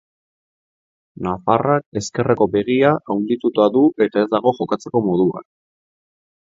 Nafarrak ezkerreko begia handiduta du eta ez dago jokatzeko moduan.